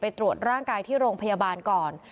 ตรวจร่างกายที่โรงพยาบาลก่อน